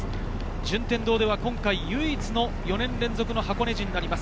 順天堂では今回、唯一の４年連続箱根路になります。